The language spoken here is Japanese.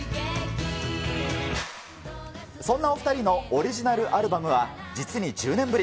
そんなお２人のオリジナルアルバムは、実に１０年ぶり。